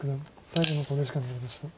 最後の考慮時間に入りました。